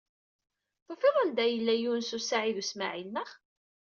Tufid-d anda yella Yunes u Saɛid u Smaɛil, naɣ?